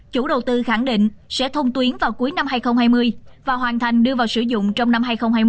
chủ đầu tư khẳng định sẽ thông tuyến vào cuối năm hai nghìn hai mươi và hoàn thành đưa vào sử dụng trong năm hai nghìn hai mươi